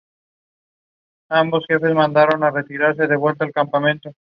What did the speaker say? De igual forma, comienza el nuevo pregrado de publicidad.